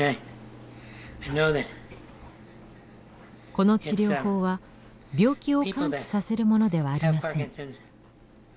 この治療法は病気を完治させるものではありません。